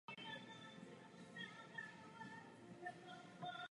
Ještě později z kláštera vznikl sirotčinec.